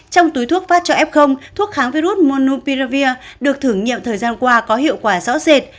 trong túi thuốc phát cho f thuốc kháng virus monum piervir được thử nghiệm thời gian qua có hiệu quả rõ rệt